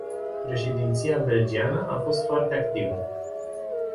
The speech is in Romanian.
Președinția belgiană a fost foarte activă.